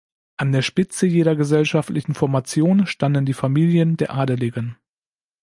An der Spitze jeder gesellschaftlichen Formation standen die Familien der Adeligen.